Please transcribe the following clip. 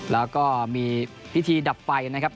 แล้วก็มีพิธีดับไฟนะครับ